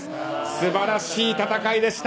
素晴らしい戦いでした。